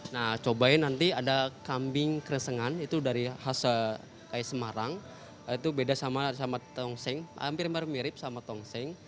nah cobain nanti ada kambing krengsengan itu dari khas kaisemarang itu beda sama tongseng hampir mirip sama tongseng